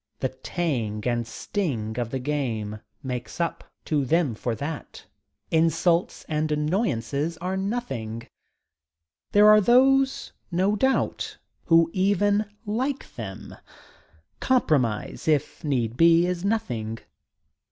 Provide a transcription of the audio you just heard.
The tang and sting of the game makes up to them for that. Insults and annoyances are nothing. There are those, no doubt, who even like them. Compromise, if need be, is nothing.